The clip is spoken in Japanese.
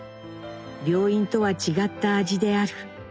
病院とは違った味である。